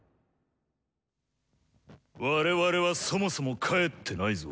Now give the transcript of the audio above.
我々はそもそも帰ってないぞ。